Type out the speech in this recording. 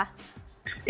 iya tentu saja